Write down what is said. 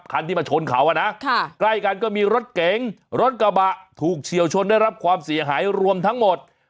คันที่มาชนเขาอ่ะนะใกล้กันก็มีรถเก๋งรถกระบะถูกเฉียวชนได้รับความเสียหายรวมทั้งหมด